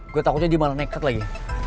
gue takutnya dia malah nekat lagi